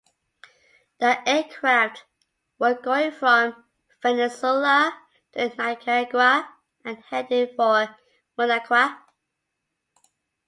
The aircraft were going from Venezuela to Nicaragua and headed for Managua.